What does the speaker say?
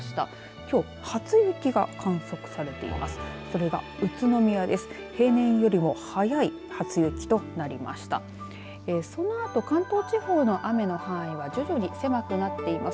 きょう初雪が観測されています。